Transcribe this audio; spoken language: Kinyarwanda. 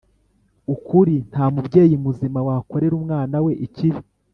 ukuri nta mubyeyi muzima wakorera umwana we ikibi